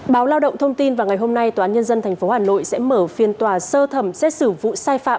báo lao động thông tin vào ngày hôm nay tòa án nhân dân tp hà nội sẽ mở phiên tòa sơ thẩm xét xử vụ sai phạm